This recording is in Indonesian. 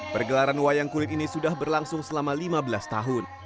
pergelaran wayang kulit ini sudah berlangsung selama lima belas tahun